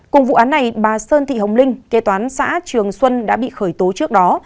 cùng vụ án này bà sơn thị hồng linh kế toán xã trường xuân đã bị khởi tố trước đó